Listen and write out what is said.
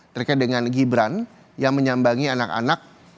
terkait dengan gibran yang menyambangi anak anak